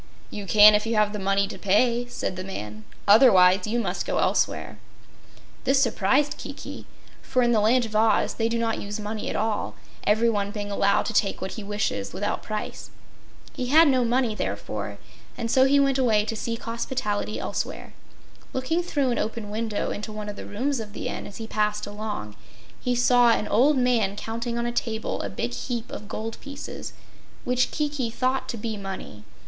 "You can if you have the money to pay," said the man, "otherwise you must go elsewhere." This surprised Kiki, for in the Land of Oz they do not use money at all, everyone being allowed to take what he wishes without price. He had no money, therefore, and so he turned away to seek hospitality elsewhere. Looking through an open window into one of the rooms of the Inn, as he passed along, he saw an old man counting on a table a big heap of gold pieces, which Kiki thought to be money.